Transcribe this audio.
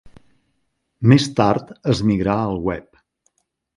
Més tard es migrà al web.